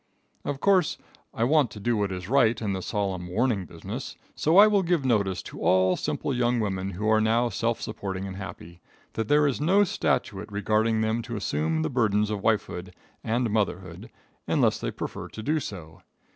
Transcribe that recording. ] Of course I want to do what is right in the solemn warning business, so I will give notice to all simple young women who are now self supporting and happy, that there is no statute requiring them to assume the burdens of wifehood and motherhood unless they prefer to do so.